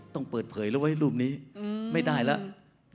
ต้องเปิดเผยแล้วไว้รูปนี้ไม่ได้แล้ว